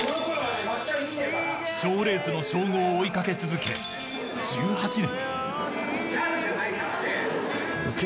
賞レースの称号を追い掛け続け１８年。